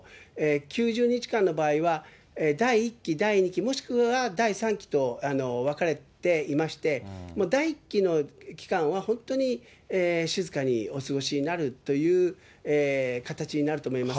９０日間の場合は、第１期、第２期、もしくは第３期と分かれていまして、第１期の期間は本当に静かにお過ごしになるという形になると思います。